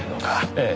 ええ。